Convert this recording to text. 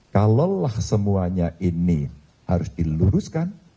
kalau lah semuanya ini harus diluruskan